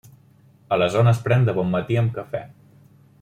A la zona es pren de bon matí amb cafè.